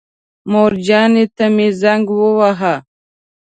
مورجانې ته مې زنګ وواهه.